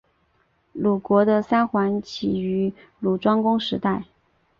鲁国的三桓起于鲁庄公时代。